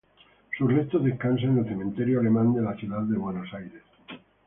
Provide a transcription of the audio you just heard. Sus restos descansan en el Cementerio Alemán de la Ciudad de Buenos Aires.